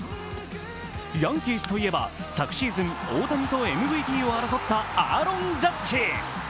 ヤンキースといえば、昨シーズン大谷とＭＶＰを争ったアーロン・ジャッジ。